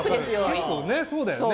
結構ねそうだよね。